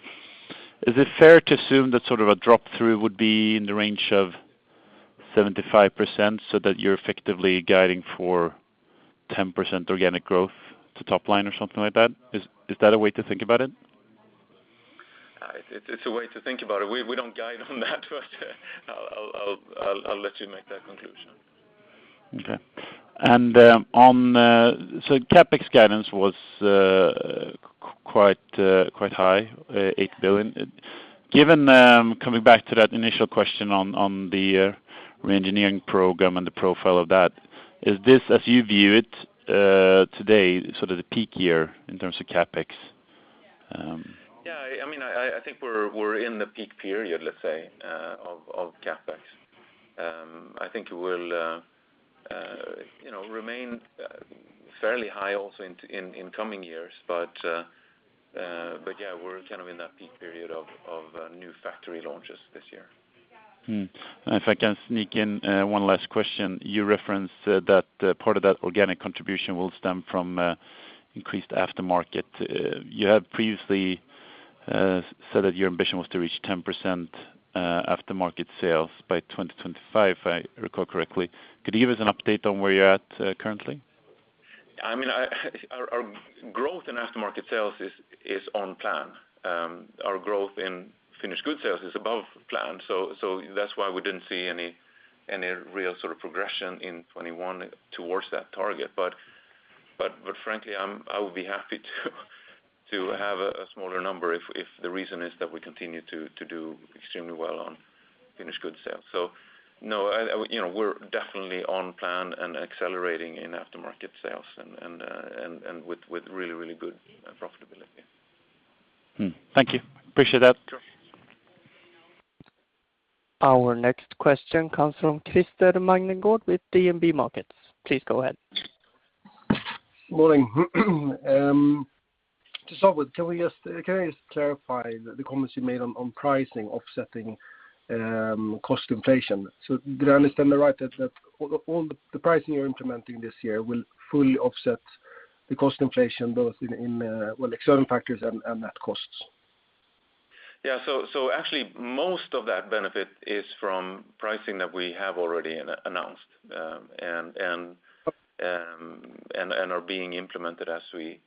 Is it fair to assume that sort of a drop-through would be in the range of 75%, so that you're effectively guiding for 10% organic growth to top line or something like that? Is that a way to think about it? It's a way to think about it. We don't guide on that but I'll let you make that conclusion. Okay. On, so CapEx guidance was quite high, 8 billion. Given coming back to that initial question on the re-engineering program and the profile of that, is this, as you view it today, sort of the peak year in terms of CapEx? Yeah. I mean, I think we're in the peak period, let's say, of CapEx. I think it will, you know, remain fairly high also in coming years. Yeah, we're kind of in that peak period of new factory launches this year. If I can sneak in one last question. You referenced that part of that organic contribution will stem from increased aftermarket. You had previously said that your ambition was to reach 10% aftermarket sales by 2025, if I recall correctly. Could you give us an update on where you're at currently? I mean, our growth in aftermarket sales is on plan. Our growth in finished goods sales is above plan, that's why we didn't see any real sort of progression in 2021 towards that target. Frankly, I would be happy to have a smaller number if the reason is that we continue to do extremely well on finished goods sales. No, you know, we're definitely on plan and accelerating in aftermarket sales and with really good profitability. Thank you. Appreciate that. Sure. Our next question comes from Christer Magnergård with DNB Markets. Please go ahead. Morning. To start with, can I just clarify the comments you made on pricing offsetting cost inflation? Did I understand that right, that all the pricing you're implementing this year will fully offset the cost inflation both in external factors and net costs? Actually, most of that benefit is from pricing that we have already announced, and Okay are being implemented as we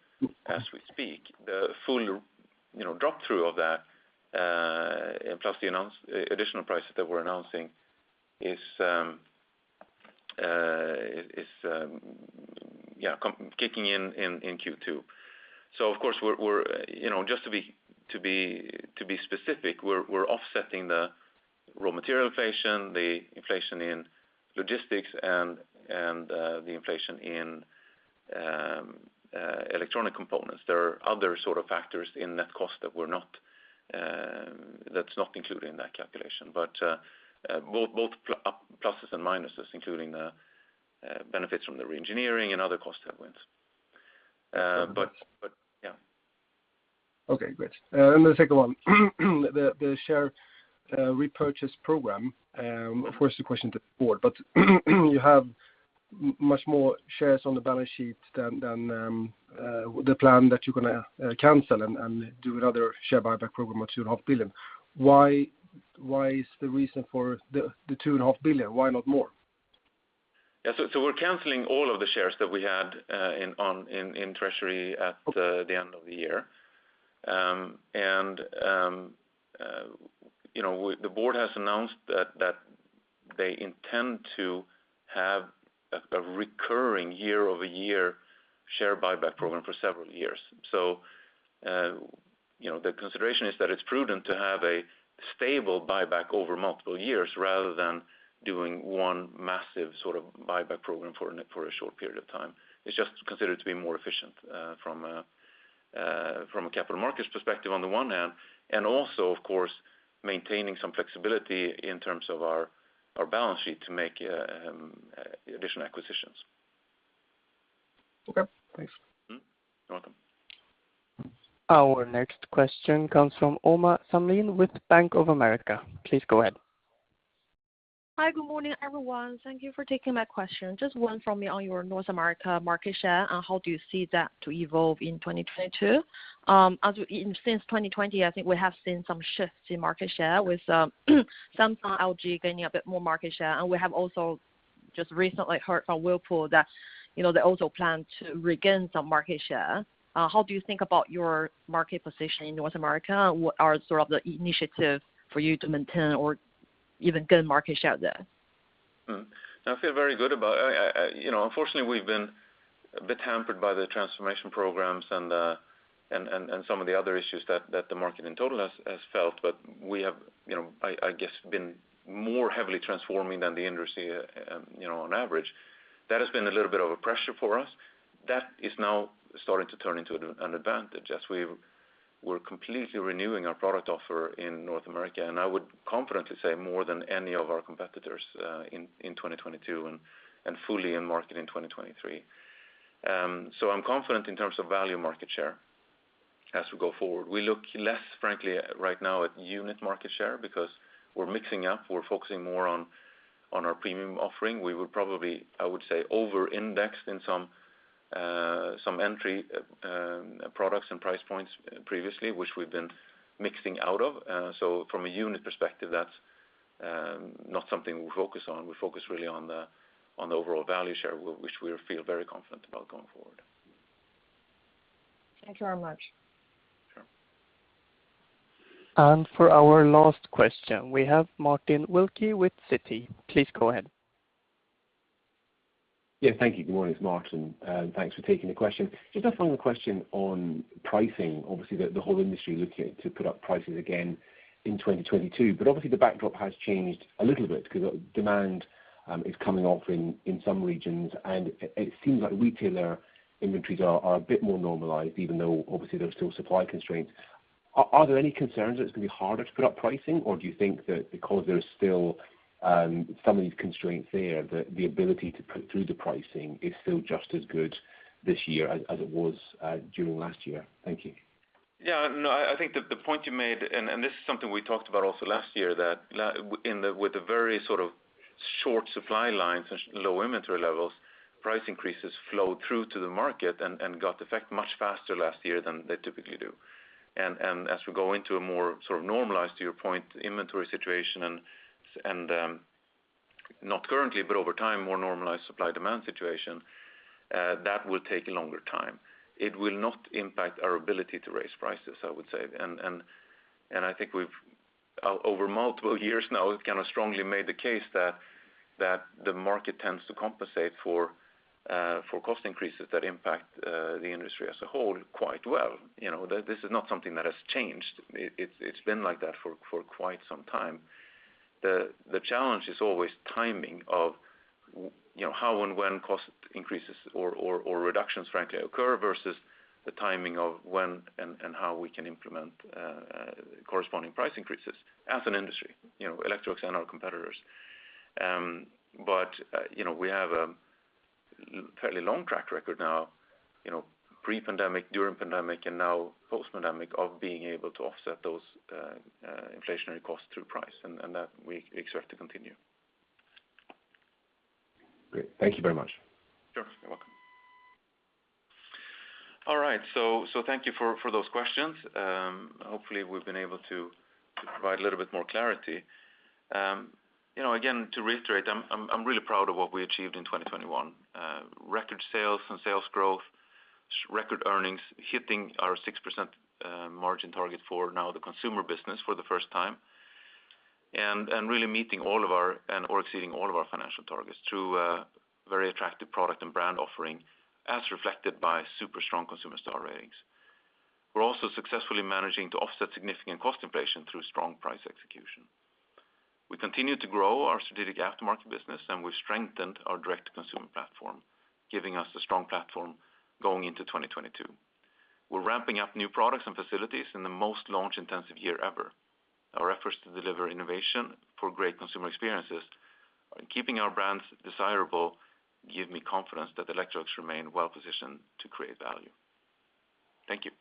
speak. The full drop-through of that plus the announced additional prices that we're announcing is kicking in in Q2. Of course we're just to be specific, we're offsetting the raw material inflation, the inflation in logistics and the inflation in electronic components. There are other sort of factors in net cost that's not included in that calculation. Both pluses and minuses, including the benefits from the re-engineering and other cost headwinds. Yeah. Okay. Great. The second one. The share repurchase program, of course the question to the Board, but you have much more shares on the balance sheet than the plan that you're gonna cancel and do another share buyback program of 2.5 billion. Why is the reason for the 2.5 billion? Why not more? Yeah, we're canceling all of the shares that we had in treasury at- Okay The end of the year. You know, the Board has announced that they intend to have a recurring year-over-year share buyback program for several years. You know, the consideration is that it's prudent to have a stable buyback over multiple years rather than doing one massive sort of buyback program for a short period of time. It's just considered to be more efficient from a capital markets perspective on the one hand, and also of course maintaining some flexibility in terms of our balance sheet to make additional acquisitions. Okay, thanks. Mm-hmm. You're welcome. Our next question comes from Uma Samlin with Bank of America. Please go ahead. Hi, good morning, everyone. Thank you for taking my question. Just one from me on your North America market share, and how do you see that to evolve in 2022. Since 2020, I think we have seen some shifts in market share with Samsung, LG gaining a bit more market share, and we have also just recently heard from Whirlpool that, you know, they also plan to regain some market share. How do you think about your market position in North America? What are sort of the initiative for you to maintain or even gain market share there? I feel very good about you know, unfortunately, we've been a bit hampered by the transformation programs and some of the other issues that the market in total has felt, but we have, you know, I guess, been more heavily transforming than the industry, you know, on average. That has been a little bit of a pressure for us. That is now starting to turn into an advantage as we're completely renewing our product offer in North America, and I would confidently say more than any of our competitors in 2022 and fully in market in 2023. I'm confident in terms of value market share as we go forward. We look less, frankly, right now at unit market share because we're mixing up. We're focusing more on our premium offering. We will probably, I would say, over-index in some entry products and price points previously, which we've been mixing out of. From a unit perspective, that's not something we'll focus on. We focus really on the overall value share, which we feel very confident about going forward. Thank you very much. Sure. For our last question, we have Martin Wilkie with Citi. Please go ahead. Yeah, thank you. Good morning. It's Martin. Thanks for taking the question. Just a final question on pricing. Obviously, the whole industry looking to put up prices again in 2022. Obviously the backdrop has changed a little bit because demand is coming off in some regions, and it seems like retailer inventories are a bit more normalized, even though obviously there are still supply constraints. Are there any concerns that it's gonna be harder to put up pricing? Or do you think that because there is still some of these constraints there, that the ability to put through the pricing is still just as good this year as it was during last year? Thank you. Yeah. No, I think that the point you made, and this is something we talked about also last year, that with the very sort of short supply lines and low inventory levels, price increases flowed through to the market and had effect much faster last year than they typically do. As we go into a more sort of normalized, to your point, inventory situation and not currently, but over time, more normalized supply-demand situation, that will take a longer time. It will not impact our ability to raise prices, I would say. I think we've over multiple years now kind of strongly made the case that the market tends to compensate for cost increases that impact the industry as a whole quite well. You know, this is not something that has changed. It's been like that for quite some time. The challenge is always timing of you know, how and when cost increases or reductions, frankly, occur versus the timing of when and how we can implement corresponding price increases as an industry, you know, Electrolux and our competitors. You know, we have a fairly long track record now, you know, pre-pandemic, during pandemic, and now post-pandemic, of being able to offset those inflationary costs through price, and that we expect to continue. Great. Thank you very much. Sure. You're welcome. All right, thank you for those questions. Hopefully we've been able to provide a little bit more clarity. You know, again, to reiterate, I'm really proud of what we achieved in 2021. Record sales and sales growth, record earnings, hitting our 6% margin target for North America consumer business for the first time, and really meeting and/or exceeding all of our financial targets through a very attractive product and brand offering, as reflected by super strong consumer star ratings. We're also successfully managing to offset significant cost inflation through strong price execution. We continue to grow our strategic aftermarket business, and we've strengthened our direct-to-consumer platform, giving us a strong platform going into 2022. We're ramping up new products and facilities in the most launch-intensive year ever. Our efforts to deliver innovation for great consumer experiences are keeping our brands desirable, give me confidence that Electrolux remain well positioned to create value. Thank you.